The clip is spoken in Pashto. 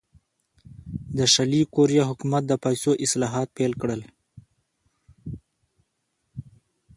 د شلي کوریا حکومت د پیسو اصلاحات پیل کړل.